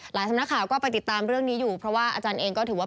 สำนักข่าวก็ไปติดตามเรื่องนี้อยู่เพราะว่าอาจารย์เองก็ถือว่า